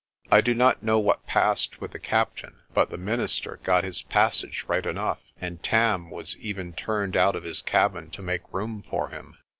I do not know what passed with the captain, but the minister got his passage right enough, and Tarn was even turned out of his cabin to make room for him.